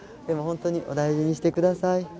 でも本当にお大事にして下さい。